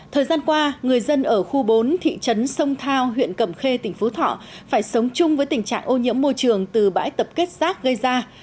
thời gian qua người dân ở khu bốn thị trấn sông thao huyện cẩm khê tỉnh phú thọ phải sống chung với tình trạng ô nhiễm môi trường từ bãi tập kết rác gây ra